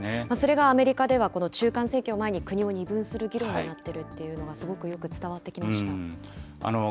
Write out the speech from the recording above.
それがアメリカでは中間選挙を前に国を二分する議論になっているということがすごくよく伝わってきました。